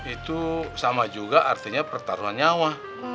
itu sama juga artinya pertarungan nyawa